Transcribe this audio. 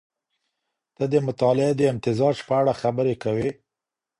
ته د مطالعې د امتزاج په اړه خبري کوې.